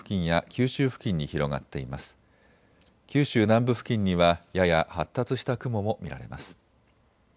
九州南部付近にはやや発達した雲も見られます。